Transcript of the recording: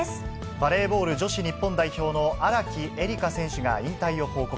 バレーボール女子日本代表の荒木絵里香選手が引退を報告。